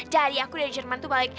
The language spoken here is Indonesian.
jadi aku dari jerman tuh balik